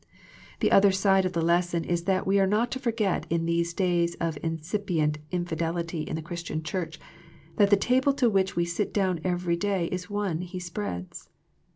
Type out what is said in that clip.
The other side of the lesson is that we are not to forget in these days of incipient infidelity in the Christian Church, that the table to which we sit down every day is one He spreads.